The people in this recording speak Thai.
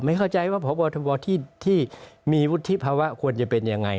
เข้าใจว่าพบทบที่มีวุฒิภาวะควรจะเป็นยังไง